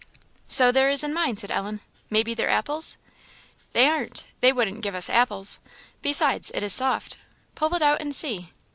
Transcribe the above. "So there is in mine!" said Ellen. "Maybe they're apples?" "They aren't! they wouldn't give us apples; besides, it is soft. Pull it out and see."